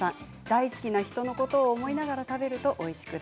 大好きな人のことを思いながら食べるとおいしく